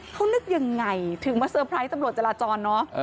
เขานึกยังไงถึงมาเตอร์ไพรส์ตำรวจจราจรเนอะ